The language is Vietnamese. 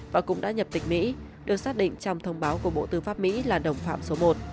và cũng đã nhập tịch mỹ được xác định trong thông báo của bộ tư pháp mỹ là đồng phạm số một